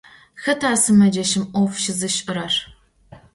Xeta sımeceşım 'of şızış'erer?